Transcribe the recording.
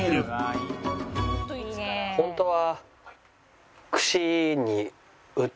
ホントは。